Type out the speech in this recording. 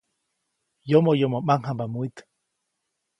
Yomoyomo ʼmaŋjamba mwit.